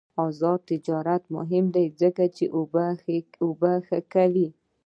آزاد تجارت مهم دی ځکه چې اوبه ښه کوي.